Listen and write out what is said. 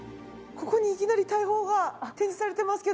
ここにいきなり大砲が展示されてますけど。